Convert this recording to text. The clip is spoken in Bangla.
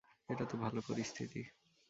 এটা তো ভালো পরিস্থিতি।